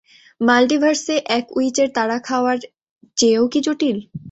মাল্টিভার্সে এক উইচের তাড়া খাওয়ার চেয়েও কি জটিল?